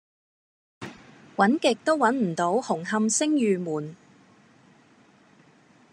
搵極都搵唔到紅磡昇御門